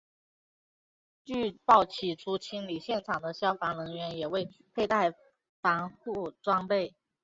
据报起初清理现场的消防人员也未佩戴防护装备。